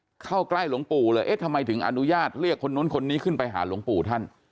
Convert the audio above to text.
เข้าใกล้หลวงปู่เลยเอ๊ะทำไมถึงอนุญาตเรียกคนนู้นคนนี้ขึ้นไปหาหลวงปู่ท่าน